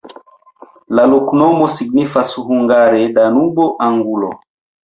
La loknomo signifas hungare: Danubo-angulo.